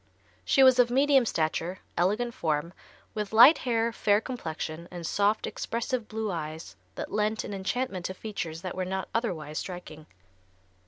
She was of medium stature, elegant form, with light hair, fair complexion and soft, expressive blue eyes that lent an enchantment to features that were not otherwise striking.